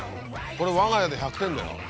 これわが家で１００点だよ。